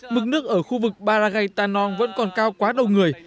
mức nước ở khu vực baragei tanong vẫn còn cao quá đầu người